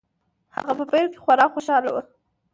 هغه په پيل کې خورا خوشحاله و.